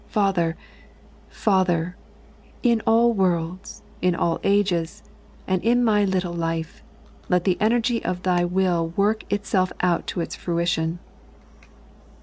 " Father, Father, in all worlds, in all ogee, and in my little life, let the energy of Thy will work itself out to its fruition